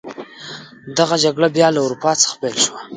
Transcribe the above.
دغه جګړه بیا له اروپا څخه پیل شوه.